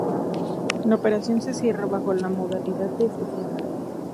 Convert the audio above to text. La operación se cierra bajo la modalidad de cesión.